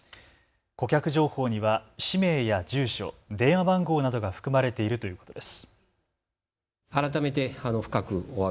顧客情報には氏名や住所、電話番号などが含まれているということです。